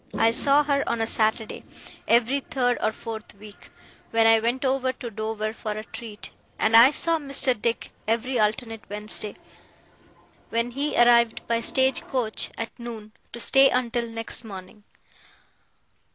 I saw her on a Saturday, every third or fourth week, when I went over to Dover for a treat; and I saw Mr. Dick every alternate Wednesday, when he arrived by stage coach at noon, to stay until next morning.